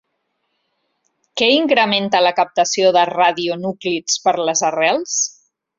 Què incrementa la captació de radionúclids per les arrels?